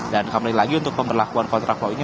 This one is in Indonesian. dan kembali lagi untuk pemberlakuan kontra flow ini